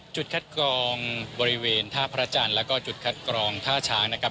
จุดคัดกรองบริเวณท่าพระจันทร์แล้วก็จุดคัดกรองท่าช้างนะครับ